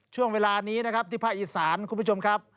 ช่วงเวลานี้นะครับที่ภาคอีสานคุณผู้ชมครับ